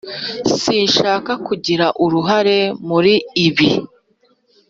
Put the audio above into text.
sinshaka kugira uruhare muri ibi.